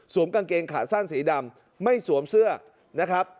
กางเกงขาสั้นสีดำไม่สวมเสื้อนะครับ